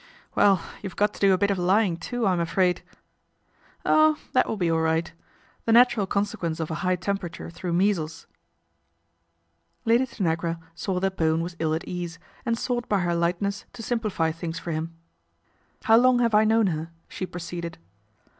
Well, you've got to do a bit of lying, too, I'm afraid." " Oh ! that will be all right. The natural con sequence of a high temperature through measles." Lady Tanagra saw that Bowen was ill at ease, and sought by her lightness to simplify things for him. " How long have I known her ?" she proceeded.